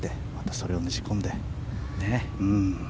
、それをねじ込んで。